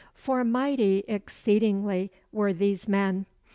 For mighty exceedingly were these men.